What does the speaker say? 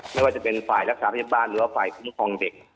ไม่ว่าจะเป็นฝ่ายรักษาพยาบาลหรือว่าฝ่ายคุ้มครองเด็ก